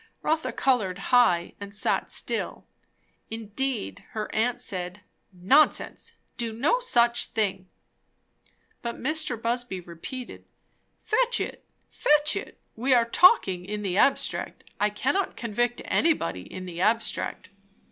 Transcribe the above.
Rotha coloured high and sat still. Indeed her aunt said, "Nonsense! do no such thing." But Mr. Busby repeated, "Fetch it, fetch it. We are talking in the abstract; I cannot convict anybody in the abstract."